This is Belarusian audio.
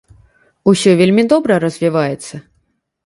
Усё вельмі добра развіваецца.